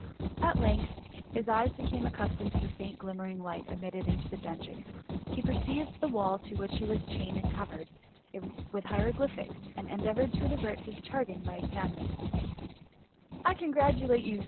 At length, as his eyes became axrcustomed to the faint glimmering light admitted into the dungeon, he perceived the wall to which he was chained was covered with hieroglyphics, and endeavoured to divert his chagrin by examining them, ^* I congratulate you.